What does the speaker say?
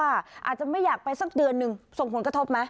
อาจจะไม่อยากไปสักเดือนหนึ่งส่งผลกระทบไหม